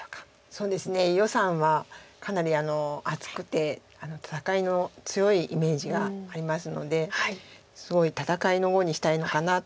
そうですね余さんはかなり厚くて戦いの強いイメージがありますのですごい戦いの碁にしたいのかなと。